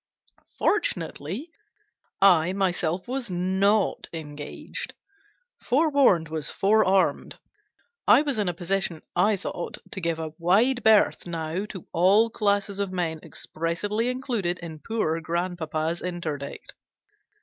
Fortunately, I myself was not engaged. Forewarned was forearmed. I was in a position, I thought, to give a wide berth now to all classes of men expressly included in poor grandpapa's interdict.